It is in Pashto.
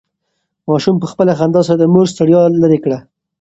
ماشوم په خپله خندا سره د مور ستړیا لرې کړه.